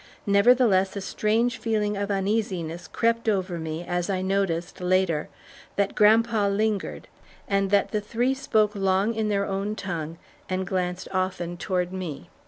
Nevertheless a strange feeling of uneasiness crept over me as I noticed, later, that grandpa lingered and that the three spoke long in their own tongue, and glanced often toward me.